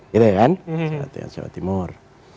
gitu ya kan jawa timur